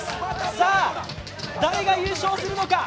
さあ、誰が優勝するのか。